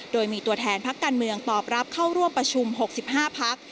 โดยมีตัวแทนพักการเมืองตอบรับเข้าร่วมประชุม๖๕พัก